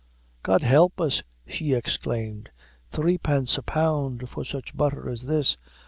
"God help us," she exclaimed "threepence a pound for such butther as this!